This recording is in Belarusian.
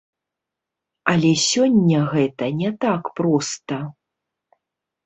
Але сёння гэта не так проста.